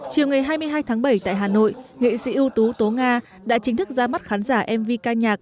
chiều ngày hai mươi hai tháng bảy tại hà nội nghệ sĩ ưu tú tố nga đã chính thức ra mắt khán giả mv ca nhạc